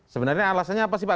sebenarnya alasannya apa sih pak